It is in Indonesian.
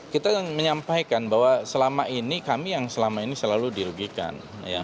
kita menyampaikan bahwa selama ini kami yang selama ini selalu dirugikan